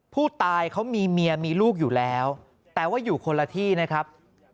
ผู้ตายเขามีเมียมีลูกอยู่แล้วแต่ว่าอยู่คนละที่นะครับ